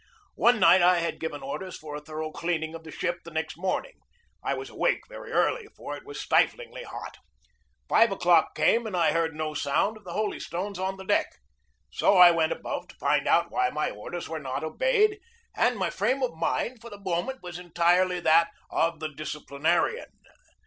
One night I had given orders for a thorough cleaning of the ship the next morning. I was awake very early, for it was stiflingly hot. Five o'clock came and I PRIZE COMMISSIONER 109 heard no sound of the holy stones on the deck. So I went above to find out why my orders were not obeyed, and my frame of mind for the moment was entirely that of the disciplinarian.